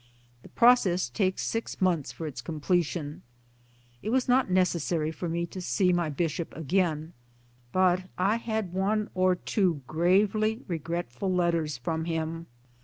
The process takes six months for its completion. It was not necessary for me to see my Bishop again ; but I had one or two gravely regretful letters from him.